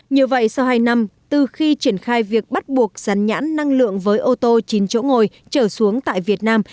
như vậy sau hai năm từ khi triển khai việc bắt buộc rắn nhãn năng lượng với ô tô chín chỗ ngồi trở xuống tại việt nam